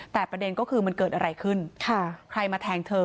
แต่ประเด็นก็คือมันเกิดอะไรขึ้นใครมาแทงเธอ